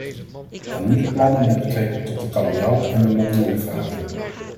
Dan nu de plannen met betrekking tot de kabeljauw en de mondelinge vraag.